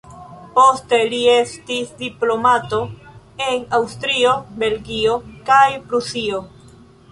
Poste li estis diplomato en Aŭstrio, Belgio kaj Prusio.